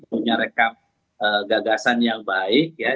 punya rekam gagasan yang baik ya